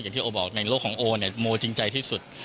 ที่โอบอกในโลกของโอเนี่ยโมจริงใจที่สุด